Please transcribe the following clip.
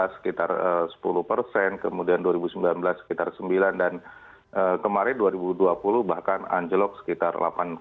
sekitar sepuluh persen kemudian dua ribu sembilan belas sekitar sembilan dan kemarin dua ribu dua puluh bahkan anjlok sekitar delapan